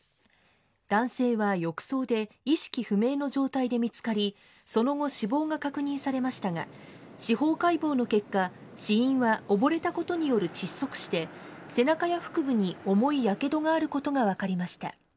男性は浴槽で意識不明の状態で見つかり、その後、死亡が確認されましたが、司法解剖の結果、死因は溺れたことによる窒息死で、背中や腹部に重いやけどがあることが分かりました。